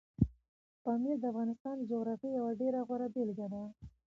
پامیر د افغانستان د جغرافیې یوه ډېره غوره بېلګه ده.